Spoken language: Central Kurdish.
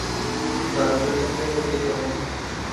با سووکەخەوێک بکەم.